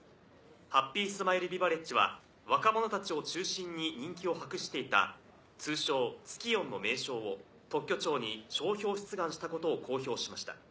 ハッピースマイルビバレッジは若者たちを中心に人気を博していた通称ツキヨンの名称を特許庁に商標出願したことを公表しました。